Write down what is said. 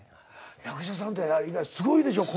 役者さんってすごいでしょ。